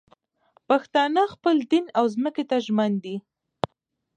پښتانه خپل دین او ځمکې ته ژمن دي